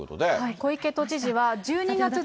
小池都知事は、１２月１日。